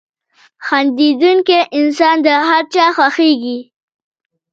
• خندېدونکی انسان د هر چا خوښېږي.